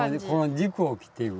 軸を切っていく。